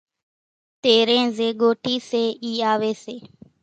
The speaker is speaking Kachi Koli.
تيرين زين ڳوٺِي سي اِي آوي سي